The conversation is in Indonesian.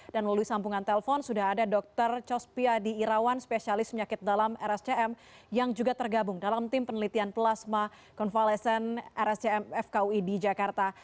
dan melalui sambungan telpon sudah ada dr cospiadi irawan spesialis penyakit dalam rscm yang juga tergabung dalam tim penelitian plasma konvalesen rscm fkui di jakarta